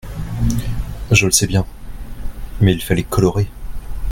Je le sais bien ! mais il fallait colorer.